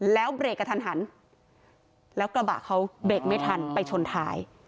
แล้วเบรกกระทันหันแล้วกระบะเขาเบรกไม่ทันไปชนท้าย